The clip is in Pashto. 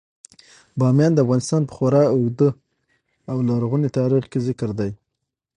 بامیان د افغانستان په خورا اوږده او لرغوني تاریخ کې ذکر دی.